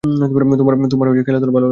তোমার খেলাধুলা ভালো লাগে।